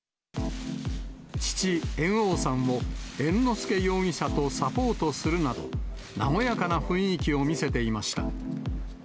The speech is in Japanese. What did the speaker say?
父、猿翁さんを猿之助容疑者とサポートするなど、和やかな雰囲気を見せていました。